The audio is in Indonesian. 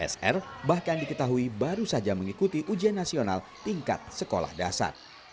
sr bahkan diketahui baru saja mengikuti ujian nasional tingkat sekolah dasar